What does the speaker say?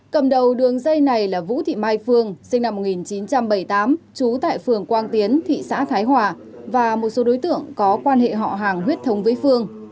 cầm đầu đường dây này là vũ thị mai phương sinh năm một nghìn chín trăm bảy mươi tám trú tại phường quang tiến thị xã thái hòa và một số đối tượng có quan hệ họ hàng huyết thống với phương